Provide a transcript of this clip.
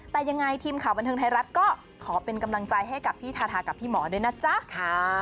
แต่ยังไงทีมข่าวบันเทิงไทยรัฐก็ขอเป็นกำลังใจให้กับพี่ทาทากับพี่หมอด้วยนะจ๊ะค่ะ